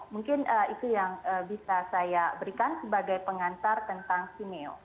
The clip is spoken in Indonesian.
mungkin itu yang bisa saya berikan sebagai pengantar tentang simeo